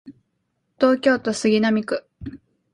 東京都杉並区